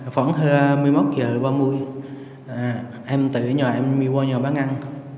khoảng một mươi một h ba mươi em tới nhà em đi qua nhà bán ăn